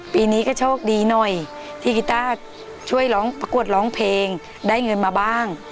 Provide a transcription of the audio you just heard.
ปีนี้ก็โชคดีหน่อยที่กีต้าช่วยร้องประกวดร้องเพลงได้เงินมาบ้าง